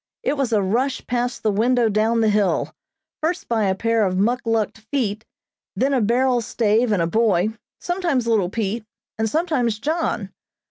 It was a rush past the window down the hill, first by a pair of muckluked feet, then a barrel stave and a boy, sometimes little Pete, and sometimes John.